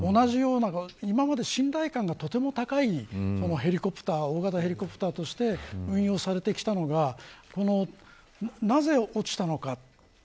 今まで信頼感がとても高い大型ヘリコプターとして運用されてきたのがなぜ落ちたのか。